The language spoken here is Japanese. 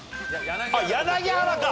柳原か！